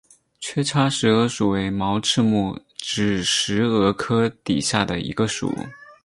缺叉石蛾属为毛翅目指石蛾科底下的一个属。